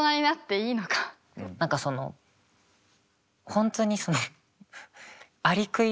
何かその本当にそのアリクイ？